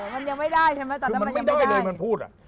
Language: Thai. มันยังไม่ได้ใช่ไหมตอนนั้นมันยังไม่ได้คือมันไม่ได้เลยมันพูด